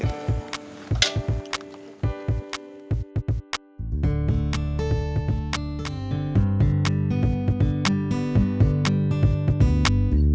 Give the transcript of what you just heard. jadi ya balik ya